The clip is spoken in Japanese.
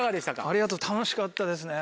ありがとう楽しかったですね。